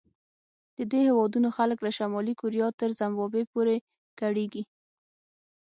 د دې هېوادونو خلک له شمالي کوریا تر زیمبابوې پورې کړېږي.